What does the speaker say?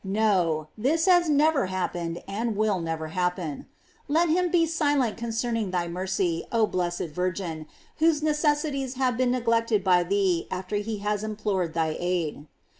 No, this has never hap pened, and never will happen. f Let him be si lent concerning thy mercy, oh blessed Virgin, whose necessities have been neglected by thee after he has implored thy aid.